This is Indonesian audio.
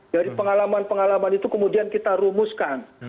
jadi pengalaman pengalaman itu kemudian kita rumuskan